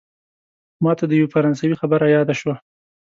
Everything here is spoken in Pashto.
ماته د یوه فرانسوي خبره یاده شوه.